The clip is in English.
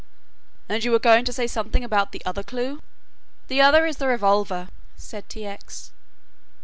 "And you were going to say something about the other clue?" "The other is the revolver," said T. X.